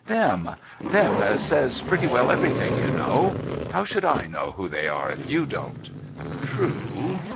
' Them ! Them as says pretty well everything, you know. How should I know who They are, if you don't ?'' True.